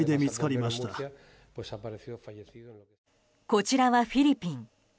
こちらはフィリピン。